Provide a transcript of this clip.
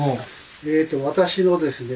えと私のですね